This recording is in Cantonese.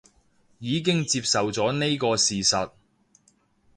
已經接受咗呢個現實